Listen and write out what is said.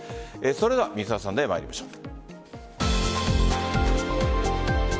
それでは「Ｍｒ．サンデー」参りましょう。